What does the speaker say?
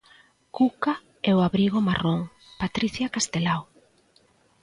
Cuca e o abrigo marrón, Patricia Castelao.